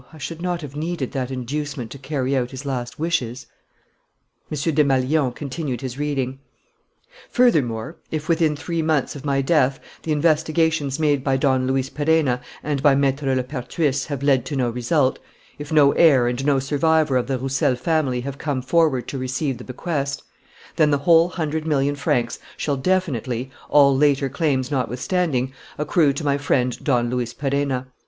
... I should not have needed that inducement to carry out his last wishes." M. Desmalions continued his reading: "Furthermore, if, within three months of my death, the investigations made by Don Luis Perenna and by Maître Lepertuis have led to no result; if no heir and no survivor of the Roussel family have come forward to receive the bequest, then the whole hundred million francs shall definitely, all later claims notwithstanding, accrue to my friend Don Luis Perenna.